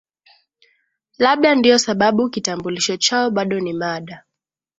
Labda ndio sababu kitambulisho chao bado ni mada